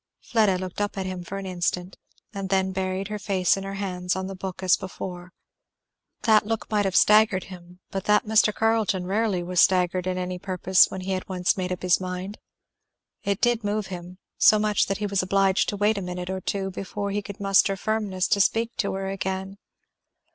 Fleda looked up at him for an instant, and then buried her face in her hands on the book as before. That look might have staggered him, but that Mr. Carleton rarely was staggered in any purpose when he had once made up his mind. It did move him, so much that he was obliged to wait a minute or two before he could muster firmness to speak to her again.